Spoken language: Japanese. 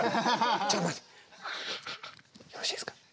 「ちょっと待ってよろしいですか？